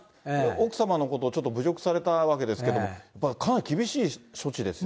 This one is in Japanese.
奥様のことをちょっと侮辱されたわけですけれども、かなり厳しい処置ですよね。